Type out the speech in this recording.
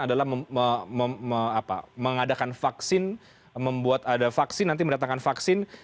adalah mengadakan vaksin membuat ada vaksin nanti mendatangkan vaksin